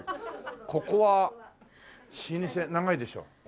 ここは老舗長いでしょ？